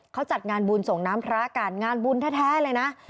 เขาจัดงานบุญส่งน้ำพระกันงานบุญแท้เลยนะ